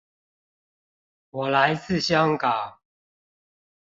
我來自香港